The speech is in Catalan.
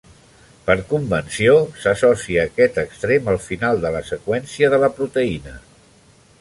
Per convenció, s'associa aquest extrem al final de la seqüència de la proteïna.